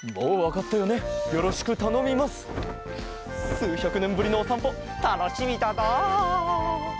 すうひゃくねんぶりのおさんぽたのしみだな。